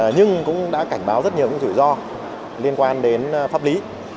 nhưng cũng đã cảnh báo rất nhiều những rủi ro liên quan đến pháp lý